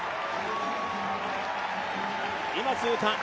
今、通過。